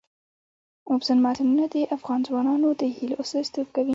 اوبزین معدنونه د افغان ځوانانو د هیلو استازیتوب کوي.